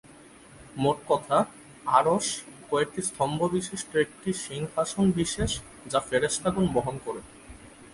মোটকথা, আরশ কয়েকটি স্তম্ভ বিশিষ্ট একটি সিংহাসন বিশেষ যা ফেরেশতাগণ বহন করে।